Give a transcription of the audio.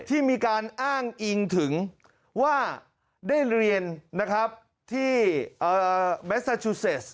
ที่มีการอ้างอิงถึงว่าได้เรียนนะครับที่เมซาชูเซส